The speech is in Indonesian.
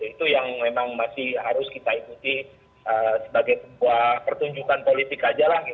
itu yang memang masih harus kita ikuti sebagai sebuah pertunjukan politik aja lah